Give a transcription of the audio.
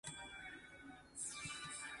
春分落雨到清明